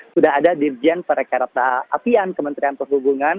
sudah ada dirjen perekarata apian kementerian perhubungan